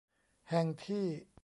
แห่งที่